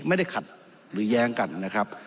ไม่ได้ขัดหรือแย้งกันนะครับ